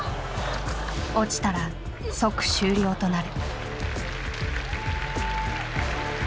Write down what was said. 落ちたら即終了となる。